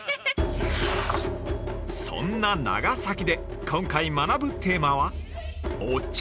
◆そんな長崎で今回学ぶテーマは「お茶」。